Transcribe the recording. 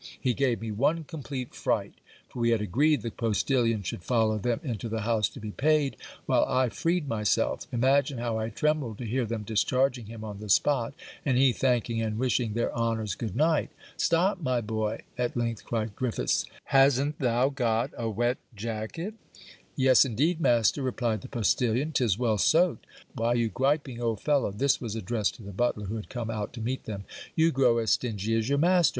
He gave me one complete fright, for we had agreed the postilion should follow them into the house to be paid, while I freed myself; imagine how I trembled to hear them discharging him on the spot, and he thanking and wishing their honours good night. 'Stop my boy,' at length, cried Griffiths; 'hasn't thou got a wet jacket?' 'Yes, indeed, master,' replied the postilion, ''tis well soaked.' 'Why you griping old fellow,' this was addressed to the butler, who had come out to meet them, 'you grow as stingy as your master!